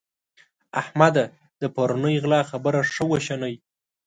احمده! د پرونۍ غلا خبره ښه وشنئ.